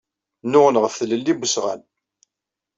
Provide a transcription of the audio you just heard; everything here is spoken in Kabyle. Nnuɣen ɣef tlelli n usɣan.